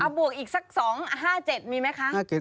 เอาบวกอีกสัก๒๕๗มีไหมครับ